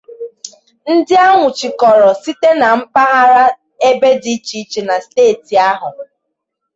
ndị a nwụchikọrọ site na mpaghara ebe dị iche iche na steeti ahụ.